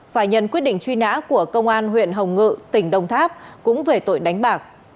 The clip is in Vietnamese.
phải nhận quyết định truy nã của công an huyện hồng ngự tỉnh đông tháp cũng về tội đánh bạc